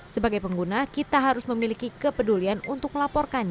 sebagai pengguna kita harus memiliki kepedulian untuk membuat konten yang lebih baik